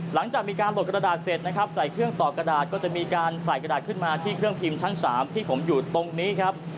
หลังจากมีการหลดกระดาษเสร็จนะครับใส่เครื่องต่อกระดาษก็จะมีการใส่กระดาษขึ้นมาที่เครื่องพิมพ์ชั้น๓ที่ผมอยู่ตรงนี้ครับ